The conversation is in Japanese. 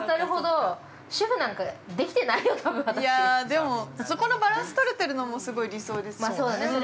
でも、そこのバランス取れてるのもすごい理想です。